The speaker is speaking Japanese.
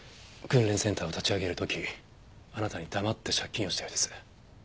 訓練センターを立ち上げる時あなたに黙って借金をしたようです。